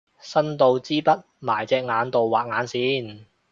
伸到支筆埋隻眼度畫眼線